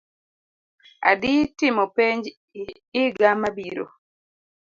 Adii timo penj iga mabiro.